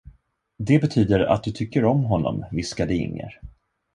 Det betyder att du tycker om honom, viskade Inger.